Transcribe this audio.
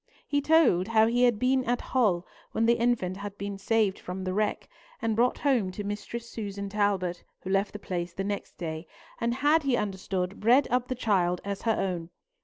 He told how he had been at Hull when the infant had been saved from the wreck, and brought home to Mistress Susan Talbot, who left the place the next day, and had, he understood, bred up the child as her own.